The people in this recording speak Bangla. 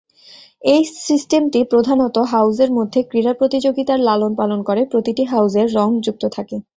এই সিস্টেমটি প্রধানত হাউসের মধ্যে ক্রীড়া প্রতিযোগিতার লালনপালন করে, প্রতিটি হাউসের রং যুক্ত থাকে।